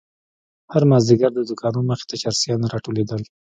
هر مازيگر د دوکانو مخې ته چرسيان راټولېدل.